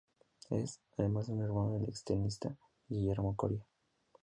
Es, además hermano del ex tenista, Guillermo Coria.